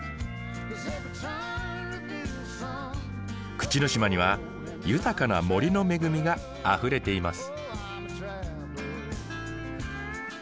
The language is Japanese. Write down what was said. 口之島には豊かな森の恵みがあふれています。